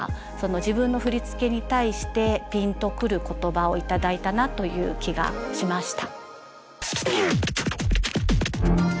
自分の振付に対してピンとくる言葉を頂いたなという気がしました。